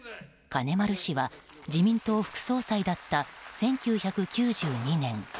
金丸氏は自民党副総裁だった１９９２年。